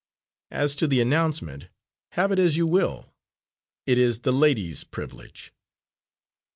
As to the announcement, have it as you will it is the lady's privilege."